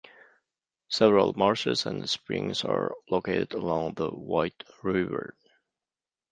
Several marshes and springs are located along the White River.